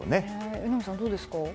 榎並さん、どうですか？